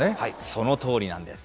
そのとおりなんです。